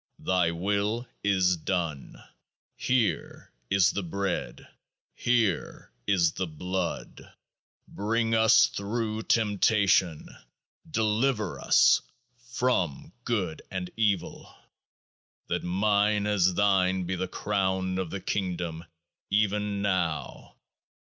Thy Will is done. Here is the Bread. Here is the Blood. Bring us through Temptation ! Deliver us from Good and Evil ! That Mine as Thine be the Crown of the Kingdom, even now.